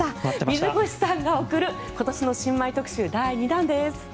水越さんが送る今年の新米特集第２弾です。